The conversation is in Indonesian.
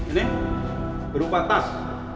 ini berupa tas